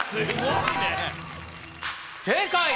正解！